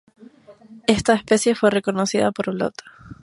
Esta especie fue reconocida por Blot.